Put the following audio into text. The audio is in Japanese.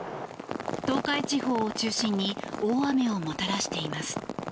東海地方を中心に大雨をもたらしています。